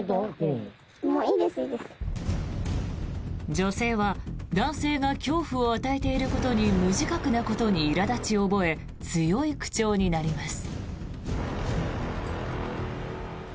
女性は男性が恐怖を与えていることに無自覚なことにいら立ちを覚え強い口調になります。